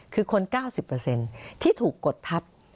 คือคน๙๐ที่ถูกกดทับ